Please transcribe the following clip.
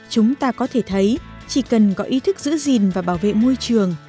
chúng ta có thể thấy chỉ cần có ý thức giữ gìn và bảo vệ môi trường